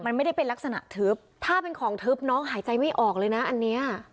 มันไม่ได้เป็นลักษณะทึบถ้าเป็นของทึบน้องหายใจไม่ออกเลยนะอันเนี้ย